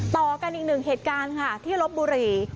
ต่อกันอีกหนึ่งเหตุการณ์ค่ะที่ลบบุรี